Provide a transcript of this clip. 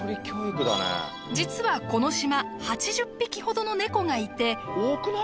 実はこの島８０匹ほどのネコがいて。